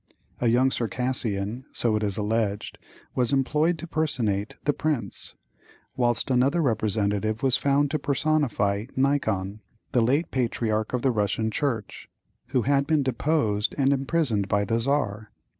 A young Circassian, so it is alleged, was employed to personate the prince, whilst another representative was found to personify Nikon, the late patriarch of the Russian Church, who had been deposed and imprisoned by the Czar.